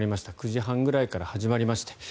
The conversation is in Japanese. ９時半ぐらいから始まりまして。